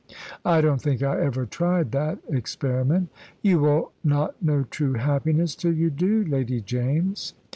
"I don't think I ever tried that experiment." "You will not know true happiness till you do, Lady James."